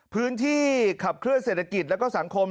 พื้นที่ขับเคลื่อเศรษฐกิจและสังคม